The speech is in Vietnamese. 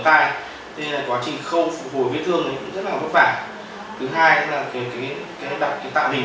tay thế nên là quá trình khâu phục hồi vết thương ấy cũng rất là vất vả thứ hai là cái tạo hình